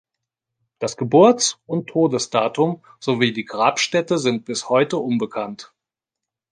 Das Geburts- und Todesdatum, sowie die Grabstätte sind bis heute unbekannt.